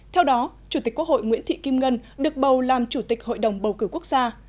theo đó chủ tịch quốc hội nguyễn thị kim ngân được bầu làm chủ tịch hội đồng bầu cử quốc gia